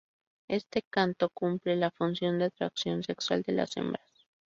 Este canto cumple la función de atracción sexual de las hembras.